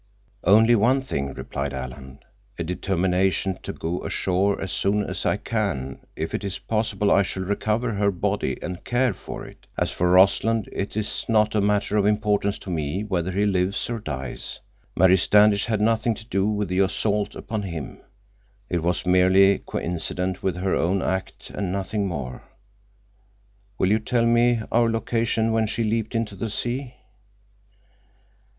"Only one thing," replied Alan, "a determination to go ashore as soon as I can. If it is possible, I shall recover her body and care for it. As for Rossland, it is not a matter of importance to me whether he lives or dies. Mary Standish had nothing to do with the assault upon him. It was merely coincident with her own act and nothing more. Will you tell me our location when she leaped into the sea."